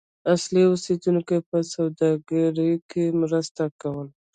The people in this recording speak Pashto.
اصلي اوسیدونکو په سوداګرۍ کې مرسته کوله.